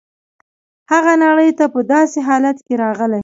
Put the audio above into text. هغه نړۍ ته په داسې حالت کې راغلی.